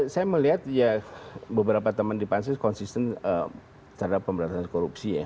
saya melihat ya beberapa teman di pansus konsisten terhadap pemberantasan korupsi ya